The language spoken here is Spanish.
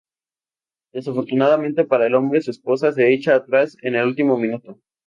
Desafortunadamente para el hombre, su esposa se echa atrás en el último minuto.